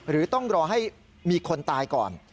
หรือต้องรอให้มีคนตายก่อน